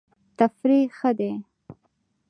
تفریح ښه دی.